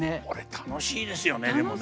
楽しいですね。